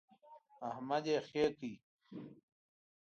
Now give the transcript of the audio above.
احمد يې خې کړ.